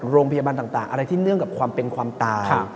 โรงพยาบาลต่างอะไรที่เนื่องกับความเป็นความตาย